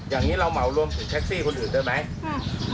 อย่างนี้เราเหมารวมถึงแท็กซี่คนอื่นด้วยไหม